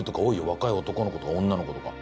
若い男の子とか女の子とか。